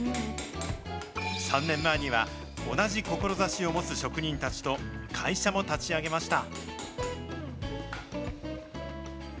３年前には、同じ志を持つ職人たちと、会社も立ち上げました。